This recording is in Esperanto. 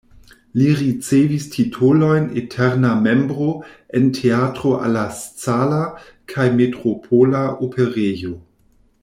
Li ricevis titolojn "eterna membro" en Teatro alla Scala kaj Metropola Operejo.